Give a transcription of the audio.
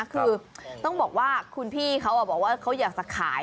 คือต้องบอกว่าคุณพี่เขาบอกว่าเขาอยากจะขาย